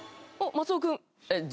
松尾君。